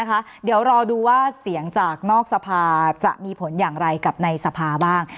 เดี๋ยวรอดูว่าเสียงจากนอกสภาจะมีผลอย่างไรกับในสภาบ้าง